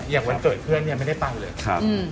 อย่างวันเกิดเพื่อนไม่ได้ไปเลยครับ